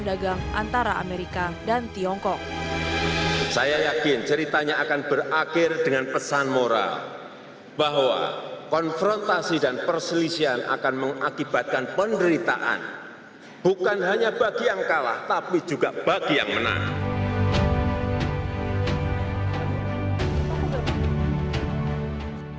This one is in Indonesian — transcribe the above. saya yakin ceritanya akan berakhir dengan pesan moral bahwa konfrontasi dan perselisihan akan mengakibatkan penderitaan bukan hanya bagi yang kalah tapi juga bagi yang menang